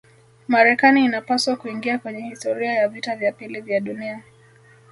marekani inapaswa kuingia kwenye historia ya vita vya pili vya dunia